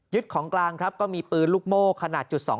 ยึดของกลางครับก็มีปืนลูกโมกขนาด๒๒